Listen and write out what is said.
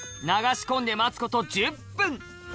流し込んで待つこと１０分。